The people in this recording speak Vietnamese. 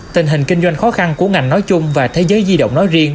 tình hình kinh doanh khó khăn của ngành nói chung và thế giới di động nói riêng